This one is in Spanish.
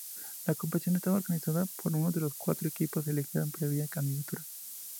La competición estaba organizada por uno de los cuatros equipos, elegido previa candidatura.